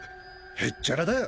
へっちゃらだよ。